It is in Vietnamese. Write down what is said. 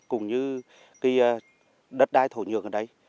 cùng như đất đai thổ nhược ở đấy